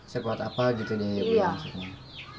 sekuat apa gitu nih ya bu yafinan